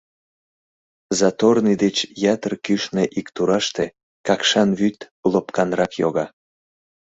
Заторный деч ятыр кӱшнӧ ик тураште Какшан вӱд лопканрак йога.